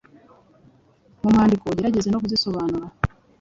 mu mwandiko ugerageze no kuzisobanura: